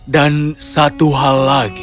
dan satu hal lagi